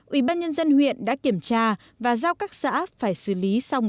ủy ban nhân dân huyện đã kiểm tra và giao các xã phải xử lý xong